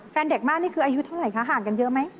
เด็กมากนี่คืออายุเท่าไหร่คะห่างกันเยอะไหม